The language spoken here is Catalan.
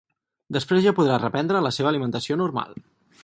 Després ja podrà reprendre la seva alimentació normal.